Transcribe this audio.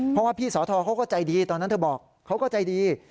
เพราะว่าพี่สอทอเขาก็ใจดีตอนนั้นเธอบอกเขาก็ใจดี